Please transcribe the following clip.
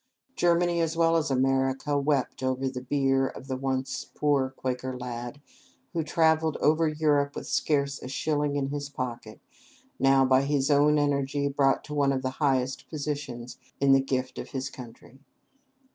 Germany as well as America wept over the bier of the once poor Quaker lad, who travelled over Europe with scarce a shilling in his pocket, now, by his own energy, brought to one of the highest positions in the gift of his country.